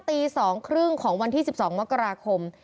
ตี๒๓๐ของวันที่๑๒มกราคม